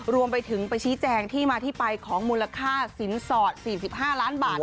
รวมไปถึงไปชี้แจงที่มาที่ไปของมูลค่าสินสอด๔๕ล้านบาท